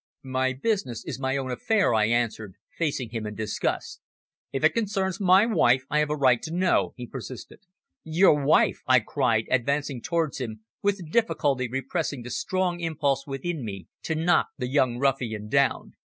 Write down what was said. "My business is my own affair," I answered, facing him in disgust. "If it concerns my wife, I have a right to know," he persisted. "Your wife!" I cried, advancing towards him, with difficulty repressing the strong impulse within me to knock the young ruffian down.